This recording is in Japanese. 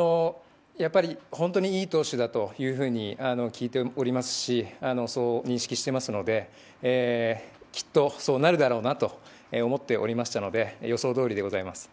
本当にいい投手だというふうに聞いておりますし、そう認識していますので、きっとそうなるだろうなと思っておりましたので、予想どおりでございます。